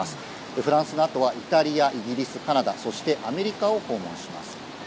フランスのあとはイタリア、イギリス、カナダそしてアメリカを訪問します。